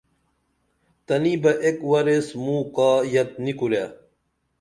تنی بہ ایک ور ایس موں کا یت نی کُرے